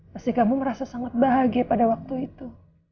pasti kamu merasa sangat bahagia pada waktu itu